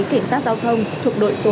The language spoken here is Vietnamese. cảnh sát giao thông thuộc đội số hai